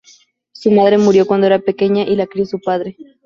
Su madre murió cuando era pequeña y la crio su padre.